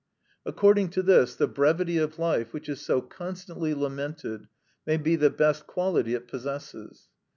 According to this, the brevity of life, which is so constantly lamented, may be the best quality it possesses.